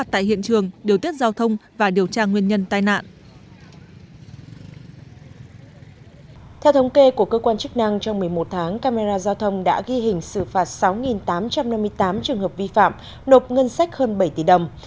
theo thống kê của cơ quan chức năng trong một mươi một tháng camera giao thông đã ghi hình xử phạt sáu tám trăm năm mươi tám trường hợp vi phạm nộp ngân sách hơn bảy tỷ đồng